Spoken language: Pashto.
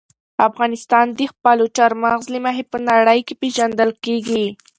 افغانستان د خپلو چار مغز له مخې په نړۍ کې پېژندل کېږي.